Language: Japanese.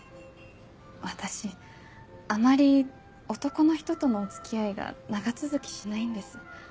私あまり男の人とのお付き合いが長続きしないんです。